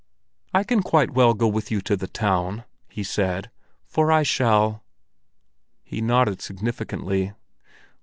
"I can quite well go with you to the town," he said. "For I shall——" He nodded significantly.